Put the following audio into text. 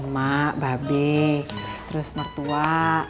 mak babek terus mertua